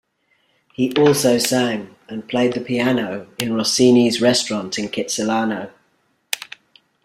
He also sang and played the piano in Rossini's restaurant in Kitsilano.